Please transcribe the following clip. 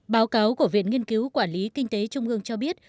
báo cáo của viện nghiên cứu quản lý kinh tế trung ương cho biết